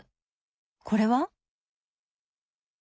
これは？